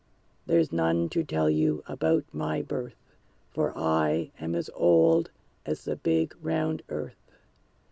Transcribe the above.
There's none to tell you about my birth, For I am as old as the big, round earth.